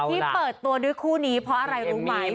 ที่เปิดตัวด้วยคู่นี้เพราะอะไรรู้ไหม